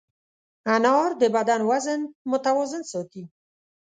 انار د بدن وزن متوازن ساتي.